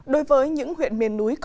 trị lợi nông thị lợi